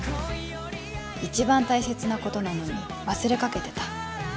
一番大切なことなのに忘れかけてた